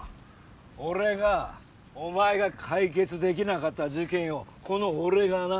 俺がお前が解決できなかった事件をこの俺がな。